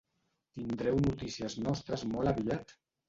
Tindreu notícies nostres molt aviat!